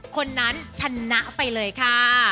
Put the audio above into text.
คนนั้นชนะไปเลยค่ะ